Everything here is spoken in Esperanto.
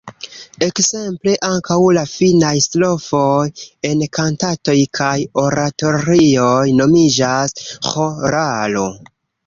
Ekzemple ankaŭ la finaj strofoj en kantatoj kaj oratorioj nomiĝas „ĥoralo“.